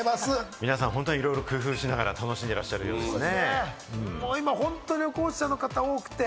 皆さん、いろいろ工夫しながら楽しんでいらっしゃいますね。